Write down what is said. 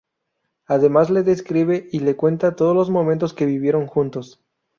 Además le describe y le cuenta todos los momentos que vivieron juntos.